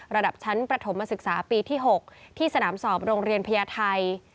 ระดับชั้นประถมศึกษาปีที่๖ที่สนามสอบโรงเรียนพญาไทย